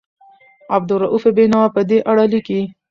عبدالرؤف بېنوا په دې اړه لیکي.